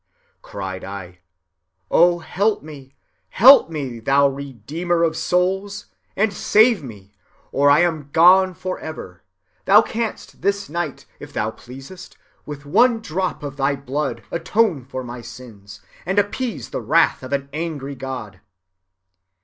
Oh, help me, help me! cried I, thou Redeemer of souls, and save me, or I am gone forever; thou canst this night, if thou pleasest, with one drop of thy blood atone for my sins, and appease the wrath of an angry God.